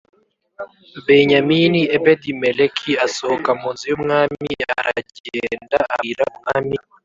Benyamini Ebedi Meleki asohoka mu nzu y umwami aragenda abwira umwami